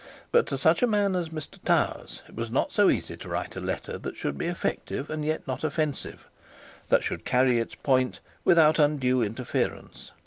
But to such a man as Mr Towers it was not so easy to write a letter that should be effective and yet not offensive, that should carry its point without undue interference.